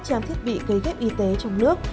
trang thiết bị cấy ghép y tế trong nước